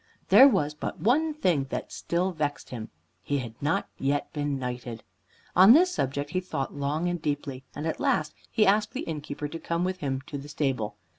There was but one thing that still vexed him. He had not yet been knighted. On this subject he thought long and deeply, and at last he asked the innkeeper to come with him to the stable.